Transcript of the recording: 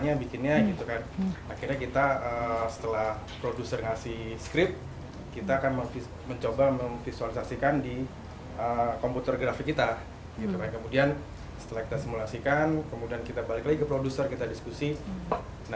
yang disampaikan mungkin agak ketinggalan